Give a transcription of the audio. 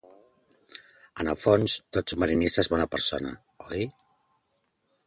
En el fons, tot submarinista és bona persona, oi?